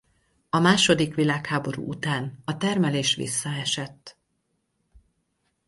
A második világháború után a termelés visszaesett.